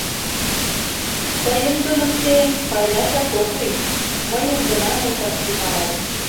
— Тыйым туныктен, пайдажак ок лий, мыйым гына нулташ тӱҥалат.